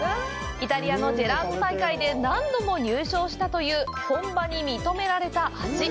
イタリアのジェラート大会で何度も入賞したという本場に認められた味。